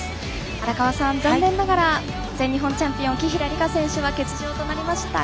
荒川さん残念ながら全日本チャンピオン紀平梨花選手は欠場となりました。